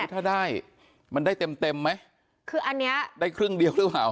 ถ้าได้มันได้เต็มเต็มไหมคืออันเนี้ยได้ครึ่งเดียวหรือเปล่า